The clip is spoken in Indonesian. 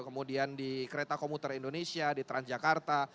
kemudian di kereta komuter indonesia di transjakarta